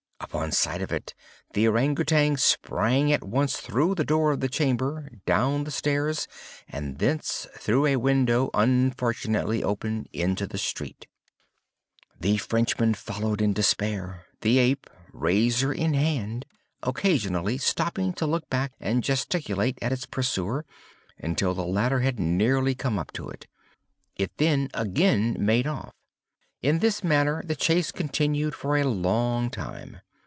Upon sight of it, the Ourang Outang sprang at once through the door of the chamber, down the stairs, and thence, through a window, unfortunately open, into the street. The Frenchman followed in despair; the ape, razor still in hand, occasionally stopping to look back and gesticulate at its pursuer, until the latter had nearly come up with it. It then again made off. In this manner the chase continued for a long time.